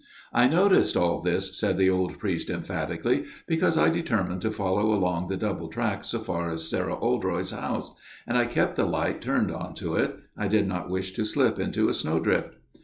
"I noticed all this/ 1 said the old priest emphatically, " because I determined to follow along the double track so far as Sarah Oldroyd's house ; and I kept the light turned on to it. I did not wish to slip into a snowdrift.